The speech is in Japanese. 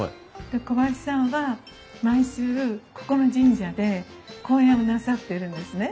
で小林さんは毎週ここの神社で公演をなさってるんですね。